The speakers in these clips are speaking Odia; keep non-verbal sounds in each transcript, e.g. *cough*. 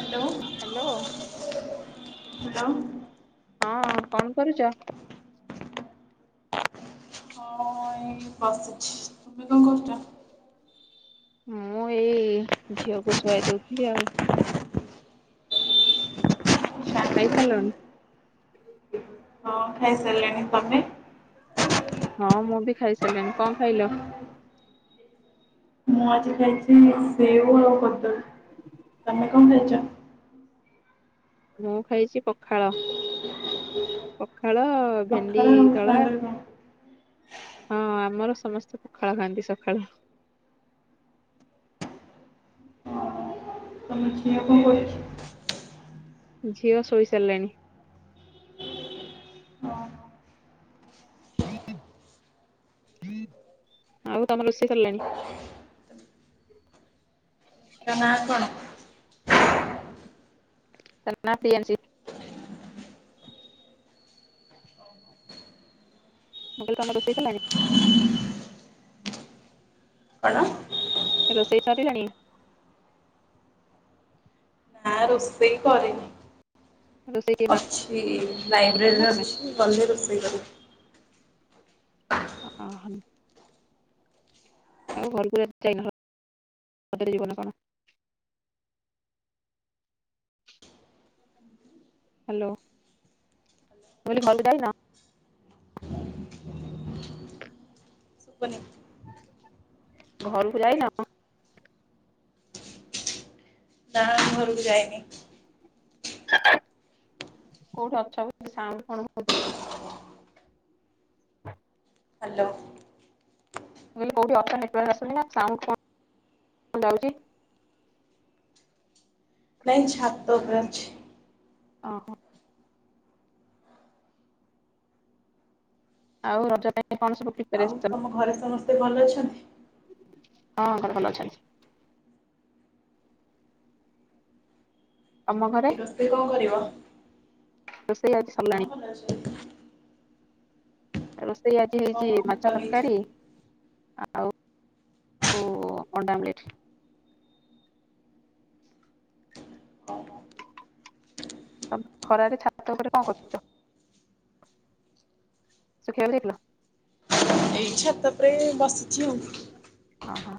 ହ୍ୟାଲୋ। ହ୍ୟାଲୋ। ହ୍ୟାଲୋ। ହଁ କଣ କରୁଛ? ହଁ ଏଇ ବସିଛି, ତୁମେ କଣ କରୁଛ? ମୁଁ ଏଇ ଝିଅକୁ ଶୁଆଇ ଦଉଥିଲି ଆଉ। ଖାଇସାରିଲଣି? ହଁ ଖାଇ ସାରିଲେଣି, ତମେ? ହଁ ମୁଁ ବି ଖାଇସାରିଲିଣି, କଣ ଖାଇଲ? ମୁଁ ଆଜି ଖାଇଛି ସେଓ ଆଉ କଦଳୀ ତମେ କଣ ଖାଇଛ? ମୁଁ ଖାଇଛି ପଖାଳ। ପଖାଳ ଭେଣ୍ଡି ପଖାଳ ଆଉ ଦଳା ସାଙ୍ଗରେ କଣ? ହଁ ଆମର ସମସ୍ତେ ପଖାଳ ଖାଆନ୍ତି ସକାଳୁ। *unintelligible* ଝିଅ ଶୋଇ ସାରିଲେଣି। ଆଉ ତମ ରୋଷେଇ ସାରିଲାଣି? *unintelligible* ତ ନା *unintelligible* ମୁ *unintelligible* *unintelligible* ରଷେଇ? *unintelligible* କଣ? ରୋଷେଇ ସାରିଲାଣି? ନା, ରୋଷେଇ କରେନି ରୋଷେଇ କିଏ ଅଛି କରୁଛନ୍ତି ନା ଲାଇବ୍ରେରୀରେ ତମେ? ଅଛି ଗଲେ ରୋଷେଇ କରିବି। ହ ଆଉ ଘର ଙ୍କୁ ଯାଇନରେ ଯିବ ନା କଣ? ହ୍ୟାଲୋ ମୁଁ କହିଲି ଘରକୂ ଯାଇନ? ଶୁଭୁନି ଘରକୁ ଯାଇନ? ନା ଘରକୁ ଯାଇନି। କୋଉଠି ଅଛ ବ ସାଉଣ୍ଡ କଣ ହଉଚି? ହ ହଲୋ କହିଲ କେଉଁଠି ନେଟୱାର୍କ ଆସୁନି ନା ସାଉଣ୍ଡ କଣ ଯାଉଛି। ନାଇଁ ଛାତ ଉପରେ ଅଛି। ଓହ। ଆଉ ରଜ ପାଇଁ କଣ ସବୁ ଆଉ ପ୍ରିପାରେସନ ତମ ଘରେ ସମସ୍ତେ ଭଲ ଅଛନ୍ତି? ହଁ ଘର ଭଲ ଅଛନ୍ତି। ତମ ଘରେ ଆଜି ରୋଷେଇ କଣ କରିବ? ଦ ଆଜି ସରିଲାଣି ହଲା ସେ ରୋଷେଇ ଆଜି କଣ ହେଇଛି ମାଛ କଣ ତରକାରୀ ବନେଇଛନ୍ତି? ଆଉ ଓହ ଅଣ୍ଡା ଆମଲେଟ। ଓହୋ, ତମ ଖରାରେ ଛାତ ଉପରେ କଣ କରୁଛ? ଶୁଖେଉ ଦେଇଥିଲ। ଏଇ ଛାତ ପରେରେ ବସିଛି ଆଉ। ଓହଁ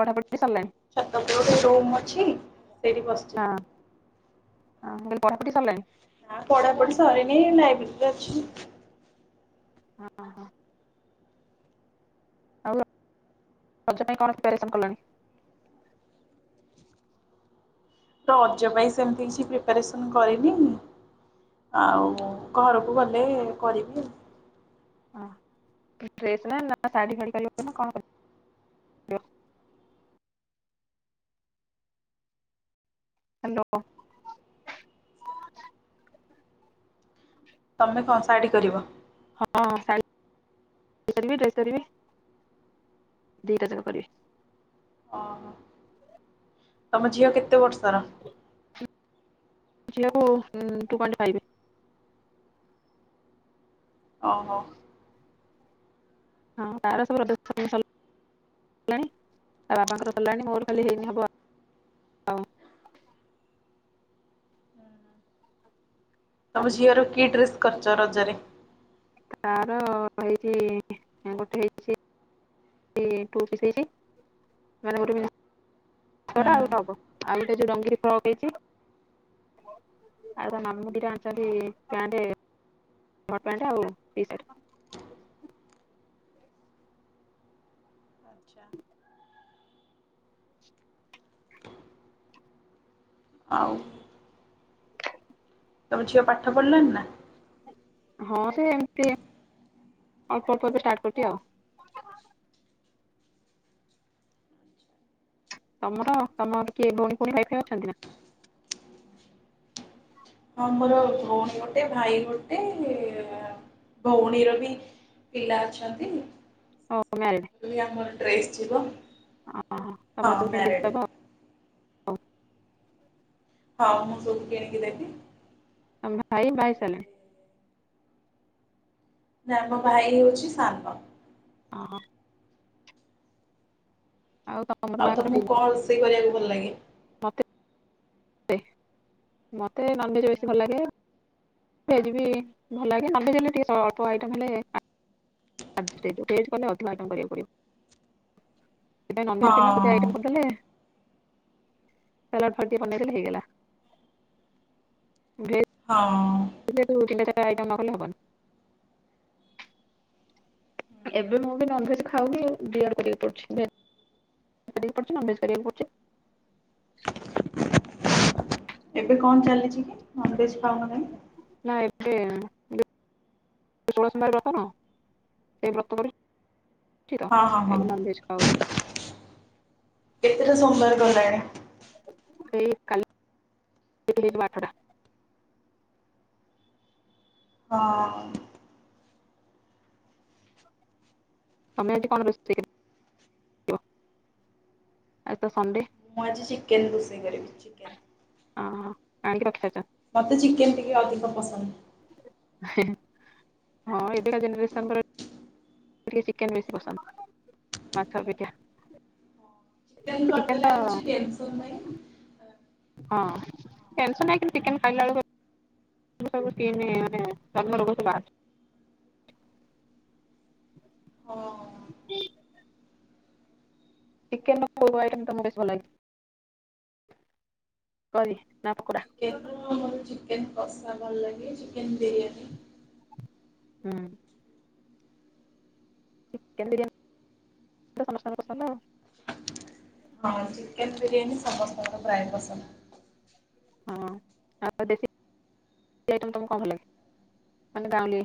ପଢ଼ା ପଢି ସାରିଲଣି? ଗୋଟ ଗୋଟେ ରୁମ ଅଛି ସେଠି ବ ହଁଲେ ପଢା ପଢ଼ୀ ସରିଲାଣି? ହଁ ପଢାପଢି ସରିନି ଲାଇବ୍ରେରୀରେ ଅଛି। ହଁ ହଁ ଆଉ ରଜ ପାଇଁ କଣ ପ୍ରିପାରେସନ୍ କଲଣି? ତ ରଜ ପାଇଁ ସେମିତି କିଛି ପ୍ରିପାରେସନ କରିନି। ଆଉ ଘରକୁ ଗଲେ କରିବି। ହଁ ଡ୍ରେସ ନା ନା ଶାଢୀ *unintelligible* *unintelligible* କରିବ ହ୍ୟାଲୋ ତୁମେ କଣ ଶାଢ଼ୀ କରିବ? ହଁ ଶାଢୀ କରିବି ଡ୍ରେସ୍ କରିବି ଦିଟା ଯାକ କରିବି। ଓହୋ ତମ ଝିଅ କେତେ ବର୍ଷର? ଜି କୁ ଟୁ ପଏଣ୍ଟ ଫାଇଭ୍ ଓହୋ ହଁ ତାର ସବୁ *inaudible* ସରଲାଣି ତା ବାବାଙ୍କର ସରଲାଣି ମୋର ଖାଲି ହେଇନି ହବ। ଆଉ ତମ ଝିଅ ର କି ଡ୍ରେସ୍ କରିଚ ରଜରେ? ତାର ହେଇଚି ଏଁ ଗୋଟେ ହେଇଚି *unintelligible* ଟୁ ପିସି ହେଇଚି ମାନେ ଗୋଟେ ହୁଁ। ସେଟା ଆଉ ଟପ ଆଉ ଗୋଟେ ଯୋଉ ରଙ୍ଗିନ ଫ୍ରକ ହେଇଚି। ଆଉ ତା ମାମୁଁ ଦିଟା ଆଣିଚନ୍ତି ପ୍ୟାଣ୍ଟ ହଟ୍ ପ୍ୟାଣ୍ଟ ଆଉ ଟି ସାର୍ଟ। ଆଚ୍ଛା। ଆଉ ତମ ଝିଅ ପାଠ ପଢିଲାଣି ନା? ହଁ ସେ ଏମତି ଅଳ୍ପ ଅଳ୍ପ ଏବେ ଷ୍ଟାର୍ଟ କରୁଚି ଆଉ। ତମର ତମର କିଏ ଭଉଣୀ ଫଉଣୀ ଭାଇ ଫାଇ ଅଛନ୍ତି ନା? ହଁ ମୋର ଭଉଣୀ ଗୋଟେ ଭାଇ ଗୋଟେ ଭଉଣୀର ବି ପିଲା ଅଛନ୍ତି। ଓ ମ୍ୟାରେଜ। ପୁଣି ଆମର ଡ୍ରେସ୍ ଯିବ। ହଁ ହଁ ତମେ ସବୁ କିଣିକି ଦବ। ଆଉ ହଁ ମୁଁ ସବୁ କିଣିକି ଦେବି। ତମ ଭାଇ ବାହା ହେଇ ସାରିଲେଣି? ନା ମୋ ଭାଇ ହଉଚି ସାନ। ଅହୋ। ଆଉ ତ ଆଉ ତମୁକୁ କଣ ରୋଷେଇ କରିଆକୁ ଭଲ ଲାଗେ? ମତେ *inaudible* ମତେ ନନଭେଜ୍ ବେଶୀ ଭଲ ଲାଗେ। ଭେଜ୍ ବି ଭଲ ଲାଗେ ନନଭେଜ୍ ହେଲେ ଟିକେ ସ ଅଳ୍ପ ଆଇଟମ ହେଲେ ଆ *inaudible* ଭେଜ୍ କଲେ ଅଧିକ ଆଇଟମ କରିଆକୁ ପଡିବ। ଏ ନନଭେଜ୍ ଥିଲେ ଗୋଟେ ହଁ ଆଇଟମ କରିଦେଲେ ସାଲାଡ ଫାଲ୍ ଟିକେ ବନେଇ ଦେଲେ ହେଇଗଲା ଭେ- ହଁ। ଦେ ତୁ ତିନି ଚାରିଟା ଆଇଟମ୍ ନ କଲେ ହବନି। ଏବେ ମୁଁ ବି ନନଭେଜ୍ ଖାଉନି ଦି ଆଡୁ କରିଆକୁ ପଡୁଚି ଭେ କରିଆକୁ ପଡୁଚି ନନଭେଜ୍ କରିଆକୁ ପଡୁଚି। ଏବେ କଣ ଚାଲିଚି କି ନନଭେଜ୍ ଖାଉନ କାଇଁ? ନା ଏବେ *inaudible* ଷୋଳ ସୋମବାର ବ୍ରତ ନୁହ ସେଇ ବ୍ରତ କରୁଚି। ହଁ ହଁ ହଁ ଖାଉନି କେତେଟା ସୋମବାର କଲେଣି? ଏଇ କାଲି *unintelligible* ହେଇଯିବ ଆଠଟା। ହଁ। ତମେ ଆଜି କଣ ରୋଷେଇ କ ଆଜି ତ ସଣ୍ଡେ। ମୁଁ ଆଜି ଚିକେନ୍ ରୋଷେଇ କରିବି। ଚିକେନ। ଅ ହ ଆଣକି ରଖି ସାରିଚ। ମତେ ଚିକେନ ଟିକେ ଅଧିକ ପସନ୍ଦ। ହେ ହେ ହଁ ଏବେକା ଜେନେରେସନ୍ ରେ ଟିକେ ଚିକେନ ବେଶୀ ପସନ୍ଦ ମାଛ ଅପେକ୍ଷା। ଚିକେନ କରିଦେଲେ ଆଉ କିଛି ଟେନସନ୍ ନାଇଁ। ହଁ ଟେନସନ୍ ନାହିଁ କିନ୍ତୁ ଚିକେନ୍ ଖାଇଲା ବେଳୁକୁ ଏବେ ସବୁ ସ୍କିନ୍ ମାନେ ଚର୍ମ ରୋଗ ସବୁ ବାହାରୁଚି। ହଁ। *unintelligible* ଚିକେନ ର କୋଉ କୋଉ ଆଇଟମ୍ ତମୁକୁ ବେଶୀ ଭଲ ଲାଗେ କରି ନା ପକୋଡା? ତେନୁ ଆମର ଚିକେନ କଷା ଭଲ ଲାଗେ ଚିକେନ ବିରିୟାନୀ। ହୁଁ। ଚିକେନ ବିରିୟାନୀ *inaudible* ସମସ୍ତଙ୍କର ପସନ୍ଦ ଆଉ। ହଁ ଚିକେନ ବିରିୟାନୀ ସମସ୍ତଙ୍କ ପ୍ରାୟ ପସନ୍ଦ। ହଁ ଆଉ ଦେଶୀ। ଆଇଟମ ତମକୁ କଣ ହେଲା ମାନେ ଗାଁଉଲି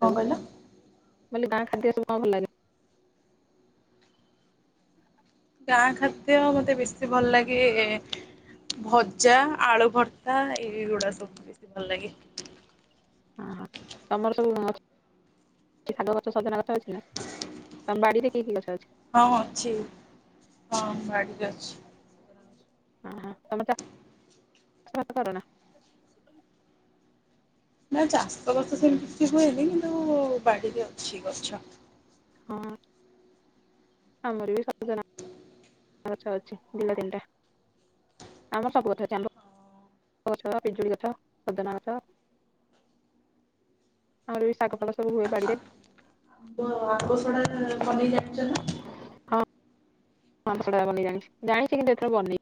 କଣ କହିଲ? ବୋଲି ଗାଁ ଖାଦ୍ୟ ସବୁ କଣ ଭଲ ଲାଗେ? ଗାଁ ଖାଦ୍ୟ ମତେ ବେଶୀ ଭଲ ଲାଗେ ଭଜା ଆଳୁ ଭର୍ତା ଏଇଗୁଡା ସବୁ ବେଶୀ ଭଲ ଲାଗେ। ହଁ ହଁ ତମର ସବୁ କି ସାଗ ଗଛ ସଜନା ଅଛି ନା ତମ ବାଡ଼ିରେ କି କି ଗଛ ଅଛି? ହଁ ଅଛି ହଁ ବାଡିରେ ଅଛି। ହଁ ହଁ ତମ ଚା *unintelligible* ସ କରୁନା ନା ଚାଷବାସ ସେମିତି କିଛି ହୁଏନି କିନ୍ତୁ ବାଡିରେ ଅଛି ଗଛ। ହ। ଆମର ବି ସଜ *inaudible* ଗଛ ଅଛି ଦିଟା ତିନିଟା। ଆମର ସବୁ ଗଛ ଅଛି ଆମ୍ୱ ପଣସ ପିଜୁଳି ଗଛ ସଜନ ଗଛ। ଆହୁରି ବି ଶାଗ ଫାଗ ହୁଏ ବାଡିରେ। ଆମ୍ବ ଆବ ସଡା ବନେଇ ଜାଣିଛ ନା? ହଁ। ଆମ୍ବ ସଡା ବନେଇ ଜାଣିଛି ଜାଣିଛି କିନ୍ତୁ ଏଥର ବନି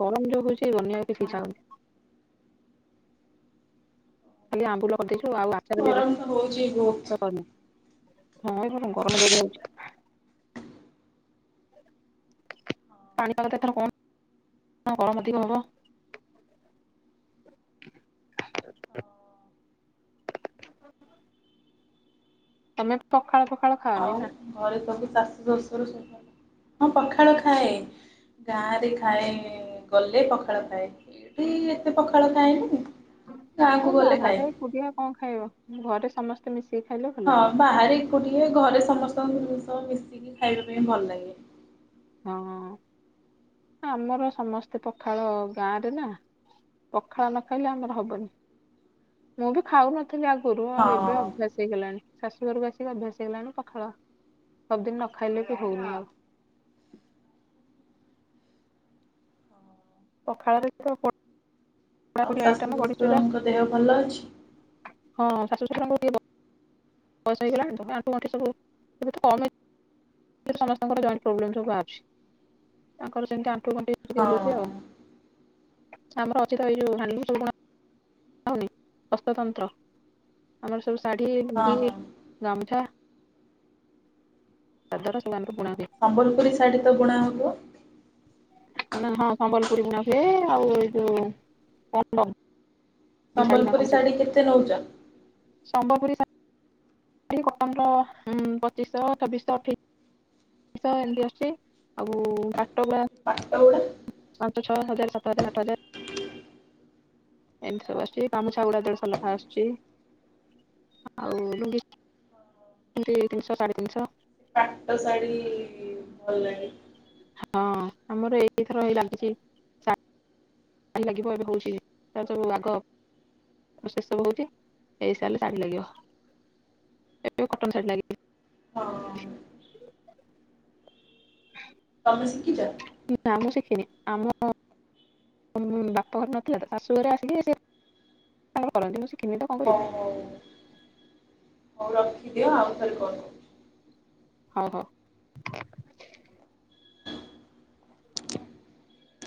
ଗରମ ଯୋଗ ହଉଛି ବନାଇବାକୁ କିଛି ଇଛା ହଉନି। ଖାଲି ଆମ୍ବୁଲ କରିଦେଇଛୁ ଆଉ ଆଚାର ଗରମ ତ ହଉଛି ବହୁତ। ବ୍ୟବସ୍ଥା କ *unintelligible* ହଁ ଏଇ କଣ ଗରମ ଯଦି ହଉଛି। ପାଣି ପାଗ ତ ଏଥର କଣ ଗରମ ଅଧିକ ହବ। ତମେ ପଖାଳ ପଖାଳ ଖାଅନି ଆଉ ନା। ଘରେ ସବୁ ଶାଶୁ ଶଶୁର ସେମାନେ ହଁ ପଖାଳ ଖାଏ ଗାଁ ରେ ଖାଏ ଗଲେ ପଖାଳ ଖାଏ। ଏଠି ଏତେ ପଖାଳ ଖାଏନି। ଗାଁକୁ ହଁ ଗଲେ ଖାଏ। ବାହାରେ କୁଡିଆ କଣ ଖାଇବ ଘରେ ସମସ୍ତେ ମିଶିକି ଖାଇଲୁ। ହଁ ବାହାରେ ଏକୁଟିଏ ଘରେ ସମସ୍ତଙ୍କ ଜିନିଷ ମିଶିକି ଖାଇବା ପାଇଁ ଭଲ ଲାଗେ। ହଁ ଆମର ସମସ୍ତେ ପଖାଳ ଗାଁରେ ନା ପଖାଳ ନ ଖାଇଲେ ଆମର ହବନି ମୁଁ ବି ଖାଉନ ଯାହା କରୁ ଆଉ ଏବେ ହଁ ଅଭ୍ୟାସ। ହେଇଗଲାଣି ଶାଶୁ ଘରକୁ ଆସିକି ଅଭ୍ୟାସ ହେଇଗଲାଣି ପାଖାଳ ସବୁଦିନ ନ ଖାଇଲେ ବି ହଉନି ଆଉ। ପଖାଳରେ ପୋଡା ଆଉ ପୋଡି ଶାଶୁ ଆଇଟମ ବଡିଚୁରା ଶ୍ୱଶୁରଙ୍କ ଦେହ ଭଲ ଅଛି। ହଁ ଶାଶୁ ଶଶୁରଙ୍କ ବୟସ ହେଇଗଲାଣି ତ ଏ ଆଣ୍ଠୁ ଗଣ୍ଠି ସବୁ କମ ସମସ୍ତଙ୍କର ଜଏଣ୍ଟ ପ୍ରୋବ୍ଲେମ ସବୁ ବାହରିଛି ଆଙ୍କର ସେମିତି ଆଣ୍ଠୁ ଗଣ୍ଠି ସିମିତି ହଁ ହଉଚି ଆଉ। ଆମର ଅଛିିତ ତ ଏଇ ଯୋଉ ହ୍ୟାଣ୍ଡଲୁମ୍ ସବୁ ବୁଣା। ଆଉନି ହସ୍ତତନ୍ତ୍ର ଆମର ସବୁ ଶାଢୀ ହଁ ମୁଣ୍ଡି ହଁ ଗାମୁଛା। *unintelligible* ସମ୍ବଲପୁରୀ ଶାଢୀ ତ ବୁଣା ହେବ। ନା ହଁ ସମ୍ବଲପୁରୀ ବୁଣା ହୁଏ ଆଉ ଏଇ ଯୋଉ ପଣ୍ଡ ସମ୍ବଲପୁରୀ ଶାଢ଼ୀ କେତେ ନଉଛ? ସମ୍ବଲପୁରୀ ଶାଢୀ ଏଇ କଟନ ର ପଚିଶହ ଛବିଶହ ଅଠେଇଶ ଏଷ ଏମିତି ଅଛି ଆଉ ପାଟ ଗଳା ପାଟଗୁଡ଼ା। ପାଞ୍ଚ ଛଅ ହଜାର ସାତ ହଜାର ଆଠ ହଜାର ଏମିତି ସବୁ ଆଶୁଛି ଗାମୁଛା ଗୁଡା ଦେଡସ ଲେଖା ଆଶୁଛି। ଆଉ ମିତି ତିନିସ ସାଡେ ତିନିସ ପାଟ ଶାଢ଼ୀ ଭଲ ଲାଗେ। ହଁ ଆମର ଏଇଥର ହେଇ ଲାଗୁଛି। ଭଲ ଲାଗିବ ଏବେ ହଉଛି ତା ମୁଁ ଆଗ ପ୍ରସେସ ସବୁହଉଛି ହେଇସାରିଲେ ଶାଢୀ ଲାଗିବ ଏ କଟନ ଶାଢୀ ଲାଗି ହଁ ହଁ। ତମେ ଶିଖିଛ। ନା ମୁ ସିଖିନି ଆମ ବାପ ଘରେ ନଥିଲା ତ ଶାଶୁ ଘରେ ଆସିକି ସେ କରନ୍ତି ମୁ ହଉ ହଉ ହଉ ରଖିଦିଅ ଆଉ ଥରେ କଲ ହଁ ହଁ।